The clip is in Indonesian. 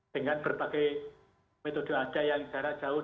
dengan berbagai metode ada yang jarak jauh